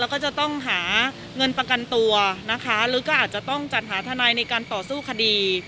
แล้วก็จะต้องหาเงินประกันตัวนะคะหรือก็อาจจะต้องจัดหาทนายในการต่อสู้คดี